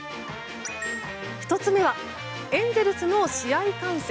１つ目はエンゼルスの試合観戦。